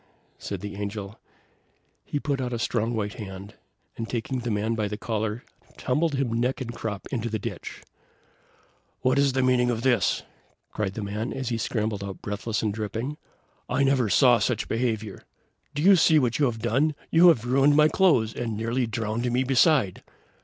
said the Angel. He put out a strong white hand, and taking the man by the collar, tumbled him neck and crop into the ditch. "What is the meaning of this?" cried the man, as he scrambled out breathless and dripping. "I never saw such behavior. Do you see what you have done? you have ruined my clothes, and nearly drowned me beside."